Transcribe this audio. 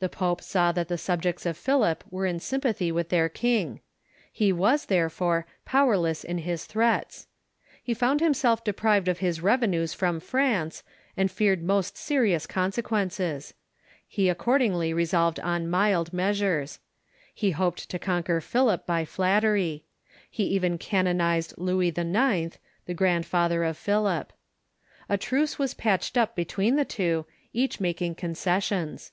The pope saw that the subjects of Philip were in sympathy with their king. He was, therefore, powerless in his threats. He found himself deprived of his revenues from France, and feared most serious consequences. He accord ingly resolved on mild measures. He hoped to conquer Philip by flattery. He even canonized Louis IX., the grandfather of Philip. A truce was patched up between the two, each mak ing concessions.